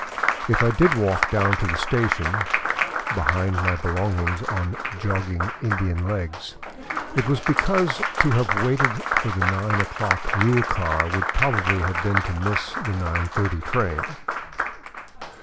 If I did walk down to the station, behind my belongings on jogging Indian legs, it was because to have waited for the nine o'clock mule car would probably have been to miss the nine thirty train.